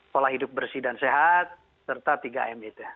pola hidup bersih dan sehat serta tiga m itu